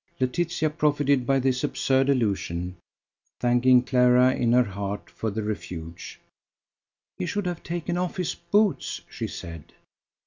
Laetitia profited by this absurd allusion, thanking Clara in her heart for the refuge. "He should have taken off his boots," she said.